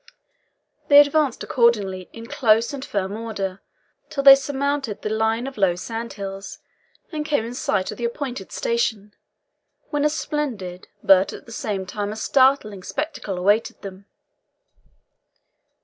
They advanced accordingly in close and firm order till they surmounted the line of low sand hills, and came in sight of the appointed station, when a splendid, but at the same time a startling, spectacle awaited them.